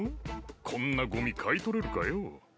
こんなゴミ買い取れるかよ。